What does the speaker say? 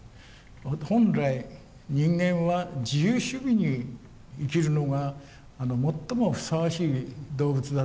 本来人間は自由主義に生きるのが最もふさわしい動物だと思います。